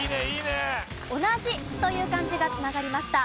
「同じ」という漢字が繋がりました。